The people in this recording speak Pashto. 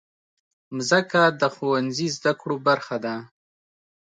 مځکه د ښوونځي زدهکړو برخه ده.